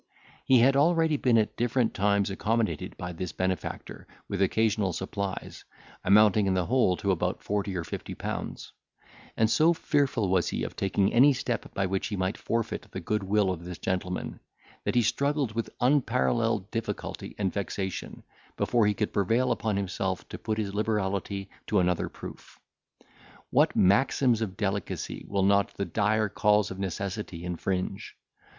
He had already been at different times accommodated by this benefactor with occasional supplies, amounting in the whole to about forty or fifty pounds; and so fearful was he of taking any step by which he might forfeit the goodwill of this gentleman, that he struggled with unparelleled difficulty and vexation, before he could prevail upon himself to put his liberality to another proof. What maxims of delicacy will not the dire calls of necessity infringe!